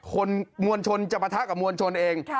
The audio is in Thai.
มวลชนจะปะทะกับมวลชนเอง